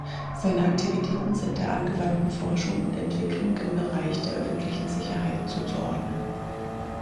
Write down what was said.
Seine Aktivitäten sind der angewandten Forschung und Entwicklung im Bereich der öffentlichen Sicherheit zuzuordnen.